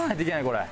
これ。